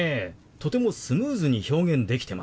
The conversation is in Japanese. とてもスムーズに表現できてますよ。